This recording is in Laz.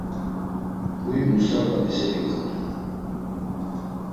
“Huy Musa ǩomiseri gondunu?”